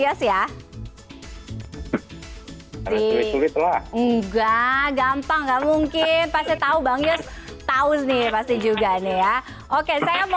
yos ya di juga gampang nggak mungkin pasti tahu bang yus tahu nih pasti juga nih ya oke saya mau